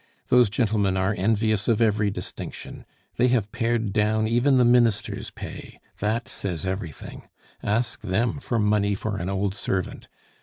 Those gentlemen are envious of every distinction; they have pared down even the Ministers' pay that says everything! Ask them for money for an old servant!